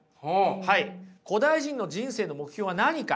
古代人の人生の目標は何か。